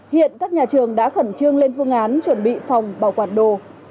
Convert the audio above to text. hiện các nhà trường đã khẩn trương lên phương án chuẩn bị phòng bảo quản đồ